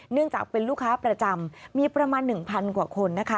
เนื่องจากเป็นลูกค้าประจำมีประมาณ๑๐๐กว่าคนนะคะ